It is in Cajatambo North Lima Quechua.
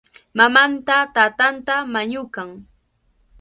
Mamanta tantata mañakun.